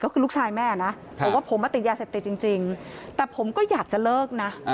ก็คือลูกชายแม่นะบอกว่าผมมาติดยาเสพติดจริงแต่ผมก็อยากจะเลิกนะ